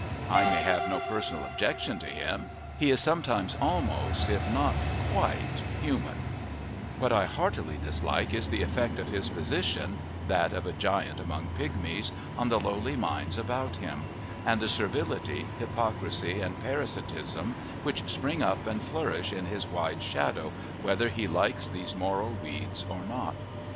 I may have no personal objection to him he is sometimes almost if not quite human; what I heartily dislike is the effect of his position (that of a giant among pigmies) on the lowly minds about him, and the servility, hypocrisy, and parasitism which spring up and flourish in his wide shadow whether he likes these moral weeds or not.